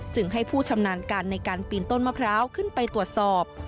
จึงให้ผู้ชำนาญการในการปีนต้นมะพร้าวขึ้นไปตรวจสอบ